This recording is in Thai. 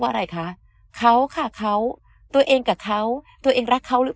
เพราะอะไรคะเขาค่ะเขาตัวเองกับเขาตัวเองรักเขาหรือ